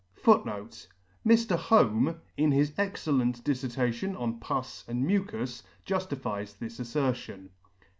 * Mr. Home, in his excellent diflertation on pus and mucus, juftifies this aflertion.